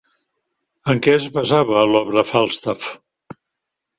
En què es basava l'obra Falstaff?